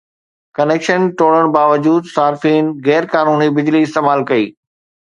connection ٽوڙڻ باوجود صارفين غير قانوني بجلي استعمال ڪئي